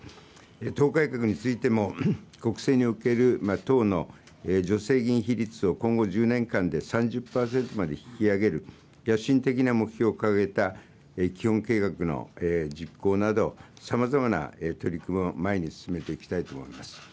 党改革についても、国政における党の女性議員比率を今後１０年間で３０％まで引き上げる野心的な目標を掲げた基本計画の実行など、さまざまな取り組みを前に進めていきたいと思います。